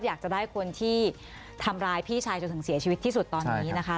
อยากจะได้คนที่ทำร้ายพี่ชายจนถึงเสียชีวิตที่สุดตอนนี้นะคะ